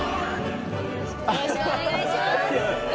よろしくお願いします。